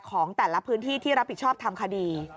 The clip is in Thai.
ของแต่ละพื้นที่ที่รับผิดชอบทำคดี